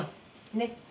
ねっ？